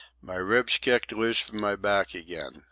My ribs kicked loose from my back again.